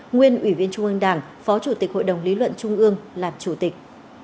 nguyên ủy viên trung ương đảng phó chủ tịch hội đồng lý luận trung ương làm chủ tịch